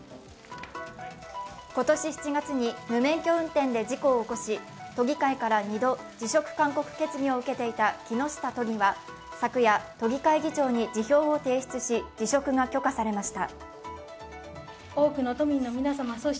今年７月に無免許運転で事故を起こし、都議会から２度、辞職勧告決議を受けていた木下都議は昨夜、都議会議長に辞表を提出し辞職が許可されました。